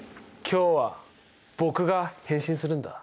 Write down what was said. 今日は僕が変身するんだ。